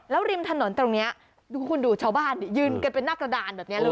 ริมถนนตรงนี้ดูคุณดูชาวบ้านยืนกันเป็นหน้ากระดานแบบนี้เลย